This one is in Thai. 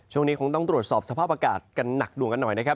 ช่วงนี้คงต้องตรวจสอบสภาพอากาศกันหนักหน่วงกันหน่อยนะครับ